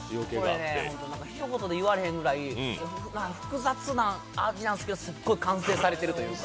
ひと言で言われへんぐらい、複雑な味なんですけど、すっごい完成されてるというか。